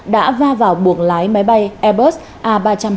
đã va vào buồng lái máy bay airbus a ba trăm hai mươi